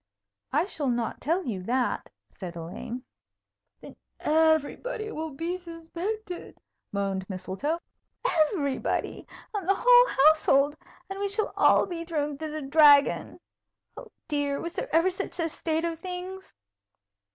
"I shall not tell you that," said Elaine. "Then everybody will be suspected," moaned Mistletoe. "Everybody. The whole household. And we shall all be thrown to the Dragon. Oh, dear! was there ever such a state of things?"